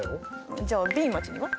じゃあＢ町には？